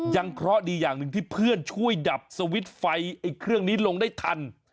เคราะห์ดีอย่างหนึ่งที่เพื่อนช่วยดับสวิตช์ไฟไอ้เครื่องนี้ลงได้ทัน